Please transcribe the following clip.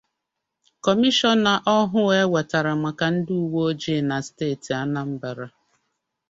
Kọmishọna ọhụụ e wètara maka ndị uwe ojii na steeti Anambra